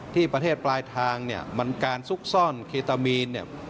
ที่ประเทศปลายทางมันการซุกซ่อนเคตามีน